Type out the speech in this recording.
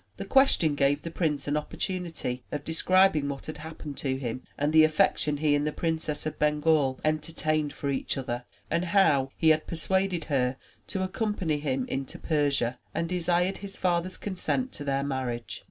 This question gave the prince an opportunity of describing what had happened to him and the affection he and the Princess of Bengal entertained for each other; also how he had persuaded her to accompany him into Persia and desired his father^s consent to their marriage.